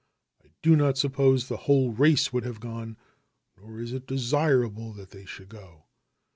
I do not suppose the whole race would have gone, nor is it desirable that they should go.